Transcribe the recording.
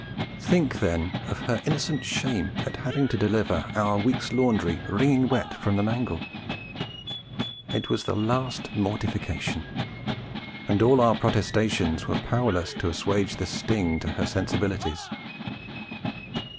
Think, then, of her innocent shame at having to deliver our week's laundry wringing wet from the mangle! It was the last mortification; and all our protestations were powerless to assuage the sting to her sensibilities.